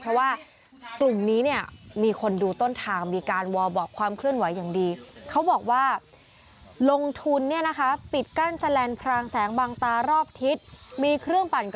เพราะว่ากลุ่มนี้เนี่ย